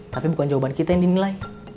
tapi bukan jawaban kita yang dinilai